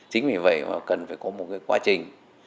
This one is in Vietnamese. chính vì vậy cần phải có một quá trình